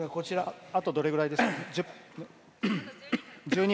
あとどれぐらいですか。